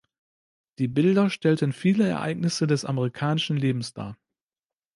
Die Bilder stellten viele Ereignisse des amerikanischen Lebens dar.